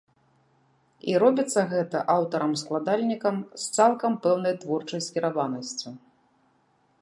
І робіцца гэта аўтарам-складальнікам з цалкам пэўнай творчай скіраванасцю.